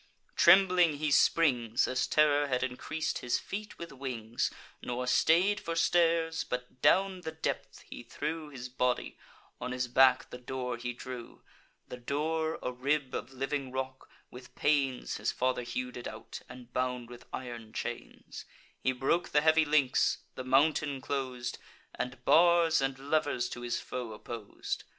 Trembling he springs, As terror had increas'd his feet with wings; Nor stay'd for stairs; but down the depth he threw His body, on his back the door he drew (The door, a rib of living rock; with pains His father hew'd it out, and bound with iron chains): He broke the heavy links, the mountain clos'd, And bars and levers to his foe oppos'd.